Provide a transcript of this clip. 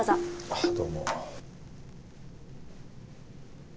あっどうも。